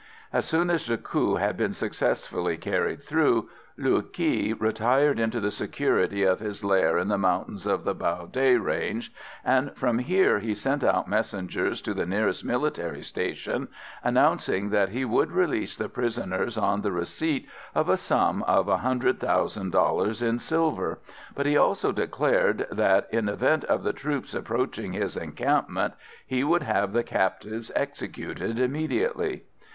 As soon as the coup had been successfully carried through, Luu Ky retired into the security of his lair in the mountains of the Bao Day range, and from here he sent out messengers to the nearest military station, announcing that he would release the prisoners on the receipt of a sum of $100,000 in silver; but he also declared that, in event of the troops approaching his encampment he would have the captives executed immediately.